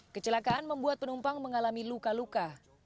kecelakaan membuat penumpang mengalami luka luka